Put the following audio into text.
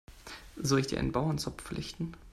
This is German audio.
Soll ich dir einen Bauernzopf flechten?